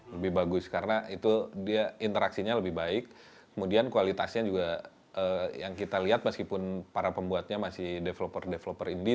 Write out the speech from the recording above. lebih bagus karena itu dia interaksinya lebih baik kemudian kualitasnya juga yang kita lihat meskipun para pembuatnya masih developer developer indie